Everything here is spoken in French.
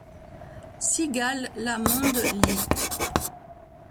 Sigal la monde li.